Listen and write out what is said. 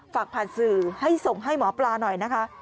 ฝากผ่านสื่อให้ส่งให้หมอปลาหน่อยนะคะ